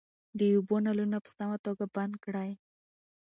د اوبو نلونه په سمه توګه بند کړئ.